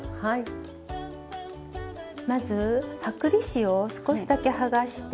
まず剥離紙を少しだけはがして。